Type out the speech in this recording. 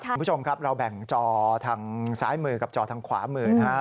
คุณผู้ชมครับเราแบ่งจอทางซ้ายมือกับจอทางขวามือนะฮะ